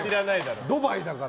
ドバイだから。